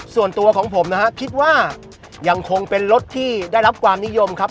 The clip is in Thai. ส่วนตัวของผมนะฮะคิดว่ายังคงเป็นรถที่ได้รับความนิยมครับ